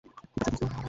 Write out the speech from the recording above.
ঠিক আছে, দোস্ত।